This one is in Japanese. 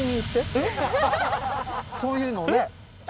そういうのをね。